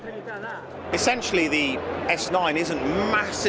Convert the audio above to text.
sebenarnya s sembilan tidak berbeda dengan s delapan